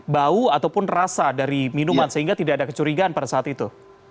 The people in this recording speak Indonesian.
bau ataupun rasa dari minuman sehingga tidak ada kecurigaan pada saat itu